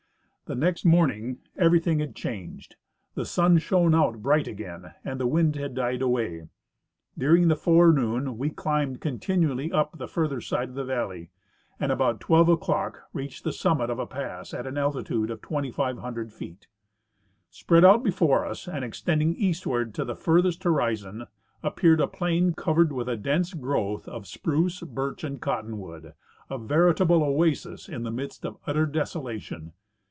The next morning everything had changed ; the sun shone out bright again, and the wind had died away. During the fore noon we climbed continually up the further side of the valley, and about 12 o'clock reached the summit of a pass at an alti tude of 2,500 feet. Spread out before us and extending eastward to the furthest horizon, appeared a plain covered with a dense growth of spruce, birch and cottonwood — a veritable oasis in the midst of utter desolation.